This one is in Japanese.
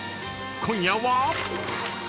［今夜は］